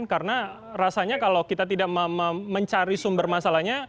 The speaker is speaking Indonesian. karena rasanya kalau kita tidak mencari sumber masalahnya